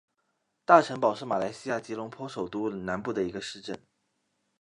大城堡是马来西亚吉隆坡首都南部的一个市镇。